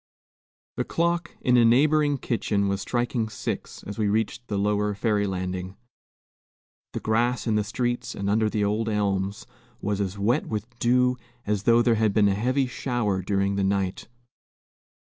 The clock in a neighboring kitchen was striking six, as we reached the lower ferry landing. The grass in the streets and under the old elms was as wet with dew as though there had been a heavy shower during the night.